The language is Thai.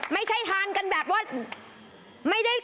ไม่ใช่ทานกันแบบว่า